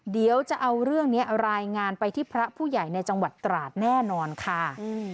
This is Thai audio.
เดี๋ยวจะเอาเรื่องนี้รายงานไปที่พระผู้ใหญ่ในจังหวัดตราดแน่นอนค่ะ